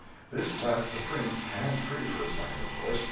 This left the Prince hand free for a second, of course.